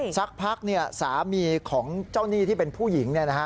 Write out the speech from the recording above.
สักพักสามีของเจ้าหนี้ที่เป็นผู้หญิง